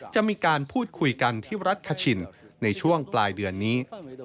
จะมีการพูดคุยกันที่รัฐคชินในช่วงปลายเดือนนี้